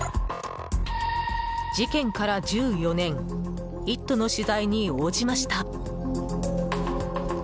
事件から１４年「イット！」の取材に応じました。